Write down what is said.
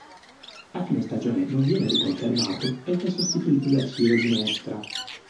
A fine stagione non viene riconfermato ed è sostituito da Ciro Ginestra.